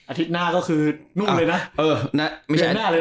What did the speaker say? อาทิตย์หน้าก็คือนุ่มเลยนะ